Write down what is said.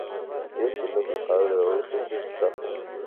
یو صندوق له خاورې را وایستل شو، چې ښخ و.